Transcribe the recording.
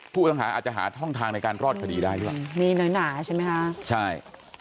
ผู้ทำหาอาจจะหาท่องทางในการรอดคดีได้หรือเปล่านี่น้อยหนาใช่ไหมฮะใช่